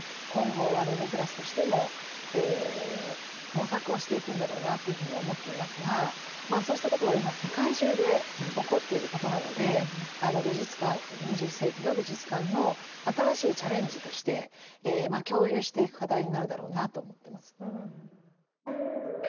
今後「Ｍ＋」としても模索をしていくんだろうなというふうに思っていますがまあそうしたことは今世界中で起こっていることなのであの美術館２１世紀の美術館の新しいチャレンジとして共有していく課題になるだろうなと思ってます。